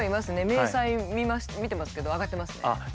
明細見てますけど上がってますね。